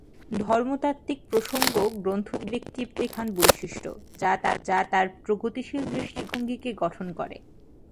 ধর্মতাত্ত্বিক প্রসঙ্গ গ্রন্থটির একটি প্রধান বৈশিষ্ট্য, যা তার প্রগতিশীল দৃষ্টিভঙ্গিকে গঠন করে।